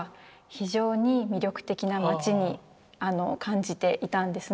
非常に魅力的な街に感じていたんですね。